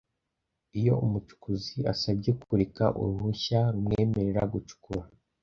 Iyo umucukuzi asabye kureka uruhushya rumwemerera gucukura